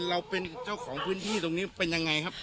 เราเป็นเจ้าของพื้นที่ตรงนี้เป็นยังไงครับ